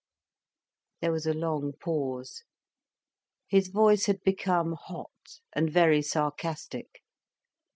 There was a long pause. His voice had become hot and very sarcastic.